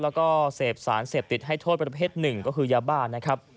แล้วก็เสพสารเสพติดให้โทษประเภทหนึ่งก็คือยาบ้านะครับ